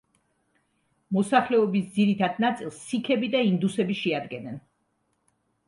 მოსახლეობის ძირითად ნაწილს სიქები და ინდუსები შეადგენენ.